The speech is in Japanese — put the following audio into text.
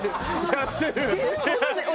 やってるよ。